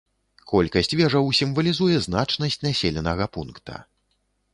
Колькасць вежаў сімвалізуе значнасць населенага пункта.